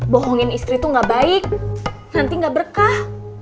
bohongin istri tuh nggak baik nanti nggak berkah